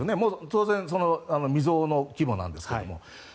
当然未曽有の規模なんですけども。